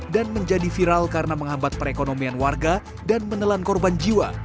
dan menjadi viral karena menghambat perekonomian warga dan menelan korban jiwa